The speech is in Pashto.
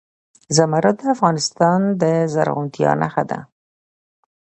زمرد د افغانستان د زرغونتیا نښه ده.